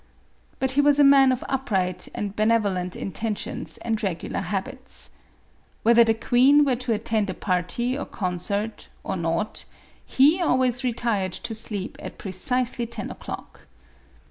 But he was a man of upright and benevolent intentions and regular habits. Whether the queen were to attend a party or concert, or not, he always retired to sleep at precisely ten o'clock.